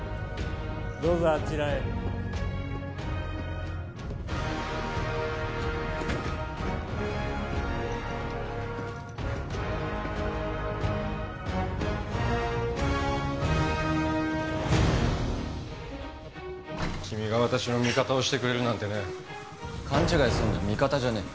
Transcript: どうぞあちらへ君が私の味方をしてくれるなんてね勘違いすんな味方じゃねえ